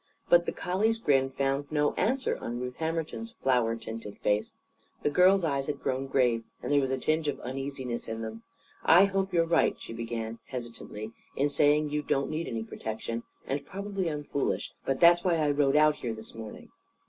But the collie's grin found no answer on Ruth Hammerton's flower tinted face. The girl's eyes had grown grave, and there was a tinge of uneasiness in them. "I hope you're right," she began, hesitantly, "in saying you don't need any protection. And probably I'm foolish. But that's why I rode out here this morning."